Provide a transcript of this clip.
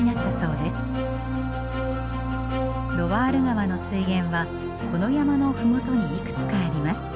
ロワール川の水源はこの山の麓にいくつかあります。